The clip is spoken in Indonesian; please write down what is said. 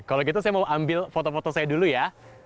kalau gitu saya mau ambil foto foto saya dulu ya